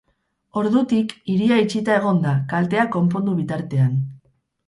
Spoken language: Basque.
Ordutik, hiria itxita egon da, kalteak konpondu bitarteak.